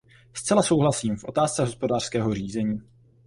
Zcela souhlasím v otázce hospodářského řízení.